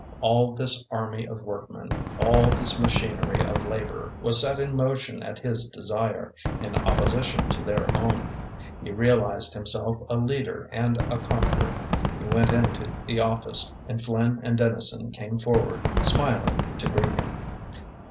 All this army of workmen, all this machinery of labor, was set in motion at his desire, in opposition to their own. He realized himself a leader and a conqueror. He went into the office, and Flynn and Dennison came forward, smiling, to greet him.